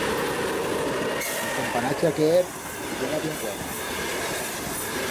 El companache aquer yera bien buen.